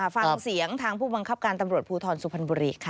ฟังเสียงทางผู้บังคับการตำรวจภูทรสุพรรณบุรีค่ะ